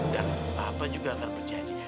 dan papa juga akan berjanji